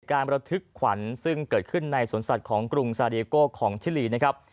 ระทึกขวัญซึ่งเกิดขึ้นในสวนสัตว์ของกรุงซาเรียโกของชิลีนะครับ